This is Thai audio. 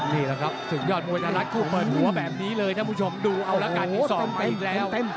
นี่แหละครับศึกยอดมวยไทยรัฐคู่เปิดหัวแบบนี้เลยท่านผู้ชมดูเอาละกันที่๒เต็มแล้ว